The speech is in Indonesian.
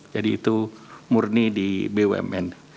jadi itu murni di bwm